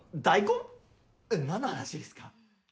え何の話ですか。